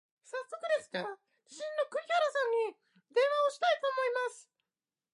こんにちは、みなさん元気ですか？